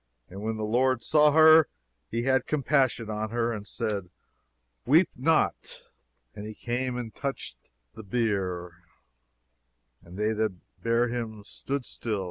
"And when the Lord saw her, he had compassion on her, and said, Weep not. "And he came and touched the bier: and they that bare him stood still.